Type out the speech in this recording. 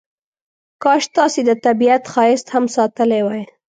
کاش تاسې د طبیعت ښایست هم ساتلی وای.